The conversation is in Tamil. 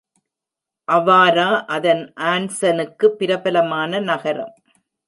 அவாரா அதன் ஆன்சனுக்கு பிரபலமான நகரம்.